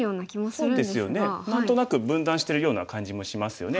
そうですよね何となく分断しているような感じもしますよね。